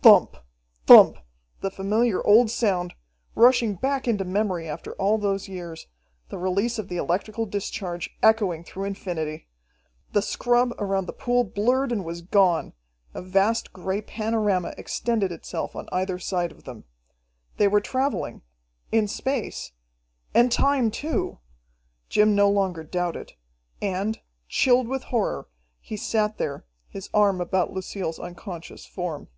Thump! Thump! The familiar old sound, rushing back into memory after all those years, the release of the electrical discharge, echoing through infinity! The scrub around the pool blurred and was gone. A vast gray panorama extended itself on either side of them. They were travelling in space and time too. Jim no longer doubted. And, chilled with horror, he sat there, his arm about Lucille's unconscious form.